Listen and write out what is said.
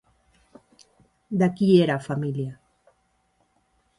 De qui era família?